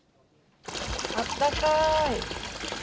あったかーい。